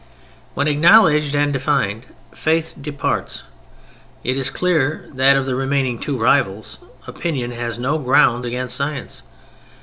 When acknowledged and defined Faith departs, it is clear that of the remaining two rivals, Opinion has no ground against Science.